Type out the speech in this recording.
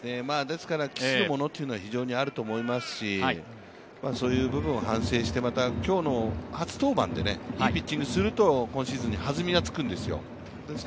期するものというのは非常にあると思いますし、そういう部分を反省してまた今日の初登板でいいピッチングすると、今シーズンに弾みがつくんですよ。